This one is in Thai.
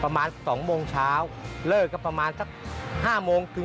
ไสมัยนี่มันจะช้าไม่ได้เลยเพราะช้าเสียทั้งที